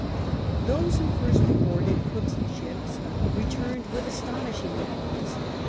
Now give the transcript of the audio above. Those who first boarded Cook's ships returned with astonishing reports.